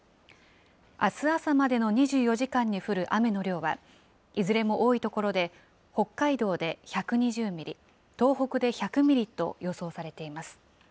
あす朝までの２４時間に降る雨の量は、いずれも多い所で、北海道で１２０ミリ、東北で１００ミリと予想されています。